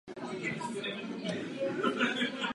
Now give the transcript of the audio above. Na jeho základech vznikl gotický münster.